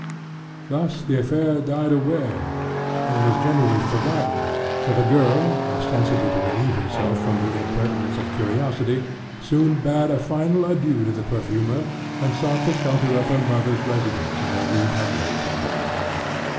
Thus the affair died away, and was generally forgotten; for the girl, ostensibly to relieve herself from the impertinence of curiosity, soon bade a final adieu to the perfumer, and sought the shelter of her mother's residence in the Rue Pavée Saint Andrée.